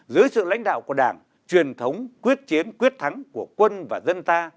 dưới sự lãnh đạo của đảng truyền thống quyết chiến quyết thắng của quân và dân ta